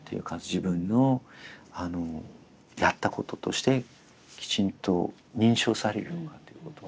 自分のやったこととしてきちんと認証されるのかということ。